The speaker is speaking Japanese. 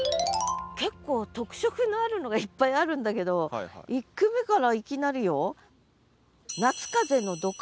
結構特色のあるのがいっぱいあるんだけど１句目からいきなりよ。